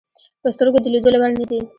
په سترګو د لیدلو وړ نه دي.